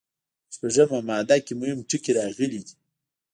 په شپږمه ماده کې مهم ټکي راغلي دي.